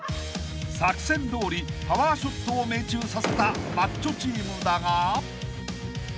［作戦どおりパワーショットを命中させたマッチョチームだが］